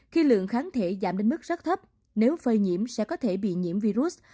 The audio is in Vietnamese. khi lượng kháng thể giảm đến mức rất thấp nếu phơi nhiễm sẽ có thể bị nhiễm virus